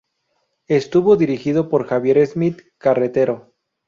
Estuvo dirigido por Javier Smith Carretero.